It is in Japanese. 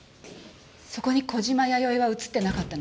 そこに小島弥生は映ってなかったのよね？